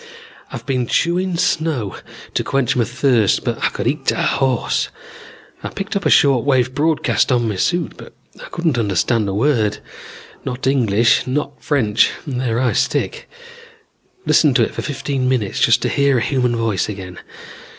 I've been chewing snow to quench my thirst but I could eat a horse. I picked up a short wave broadcast on my suit but couldn't understand a word. Not English, not French, and there I stick. Listened to it for fifteen minutes just to hear a human voice again.